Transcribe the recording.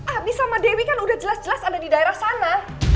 abi sama dewi kan udah jelas jelas ada di daerah sana